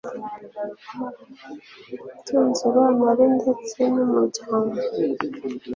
utunze abana be ndetse n'umuryango